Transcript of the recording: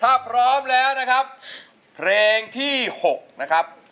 ถ้าพร้อมแล้วนะครับเพลงที่๖นะครับ